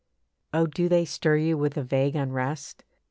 Oh do they stir you with a vague unrest?